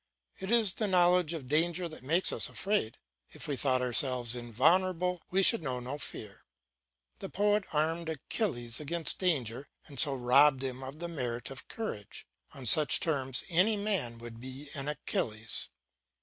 It is the knowledge of danger that makes us afraid. If we thought ourselves invulnerable we should know no fear. The poet armed Achilles against danger and so robbed him of the merit of courage; on such terms any man would be an Achilles.